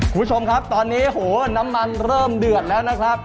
คุณผู้ชมครับตอนนี้โหน้ำมันเริ่มเดือดแล้วนะครับ